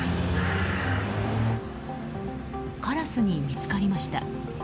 カラスに見つかりました。